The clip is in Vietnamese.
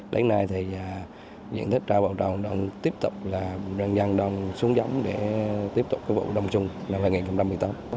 đến nay diện tích rau bào tròn tiếp tục là dân dân xuống giống để tiếp tục vụ đồng chung năm hai nghìn một mươi tám